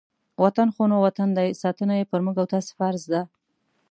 وطن خو نو وطن دی، ساتنه یې په موږ او تاسې فرض ده.